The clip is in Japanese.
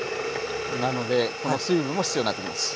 なのでこの水分も必要になってきます。